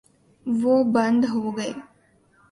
وہ بند ہو گئے۔